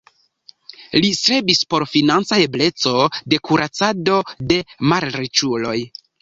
Li strebis por financa ebleco de kuracado de malriĉuloj.